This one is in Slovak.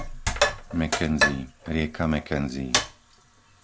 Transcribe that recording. Mackenzie; rieka Mackenzie